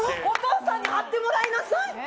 お父さんに貼ってもらいなさい。